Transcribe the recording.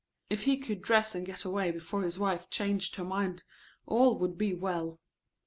If he could dress and get away before his wife changed her mind all would be well.